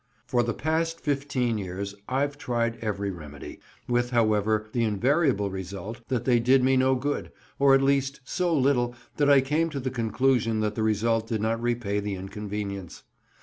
For the past fifteen years I've tried every remedy, with, however, the invariable result—that they did me no good, or at least so little that I came to the conclusion that the result did not repay the inconvenience.